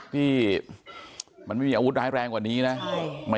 ที่มันไม่มีอาวุธร้ายแรงกว่านี้นะ